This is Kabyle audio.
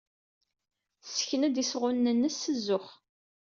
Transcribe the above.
Tessken-d isɣunen-nnes s zzux.